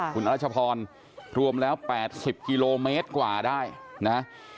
คุณอรัชพรรวมแล้ว๘๐กิโลเมตรกว่าได้นะ